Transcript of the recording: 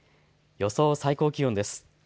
予想最高気温です。